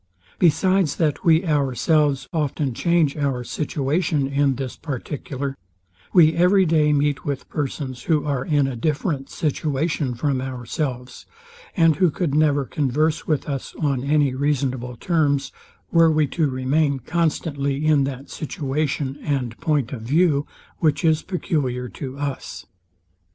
Besides, that we ourselves often change our situation in this particular, we every day meet with persons, who are in a different situation from ourselves, and who could never converse with us on any reasonable terms, were we to remain constantly in that situation and point of view, which is peculiar to us.